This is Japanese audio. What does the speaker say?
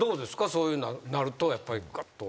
そういうふうになるとやっぱりグッと。